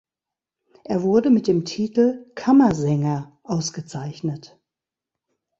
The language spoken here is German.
Er wurde mit dem Titel Kammersänger ausgezeichnet.